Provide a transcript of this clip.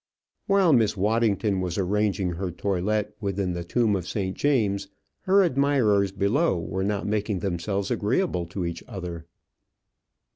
While Miss Waddington was arranging her toilet within the tomb of St. James, her admirers below were not making themselves agreeable to each other.